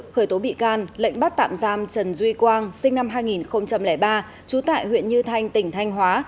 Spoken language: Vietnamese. khởi tố bị can lệnh bắt tạm giam trần duy quang sinh năm hai nghìn ba trú tại huyện như thanh tỉnh thanh hóa